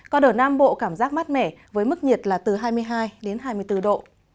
còn ở nam bộ cảm giác mát mẻ với mức nhiệt là từ hai mươi hai đến hai mươi bốn độ